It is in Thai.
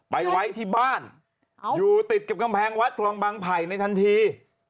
ไว้ที่บ้านอยู่ติดกับกำแพงวัดคลองบางไผ่ในทันที